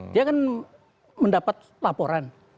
dia kan mendapat laporan